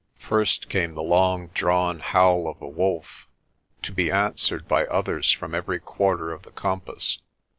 First came the long drawn howl of a wolf, to be answered by others from every quar ter of the compass.